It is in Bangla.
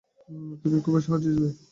তুমি খুবই সাহসী ছেলে।